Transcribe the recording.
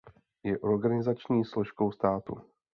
Je organizační složkou státu.